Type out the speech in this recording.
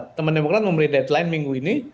teman demokrat memberi deadline minggu ini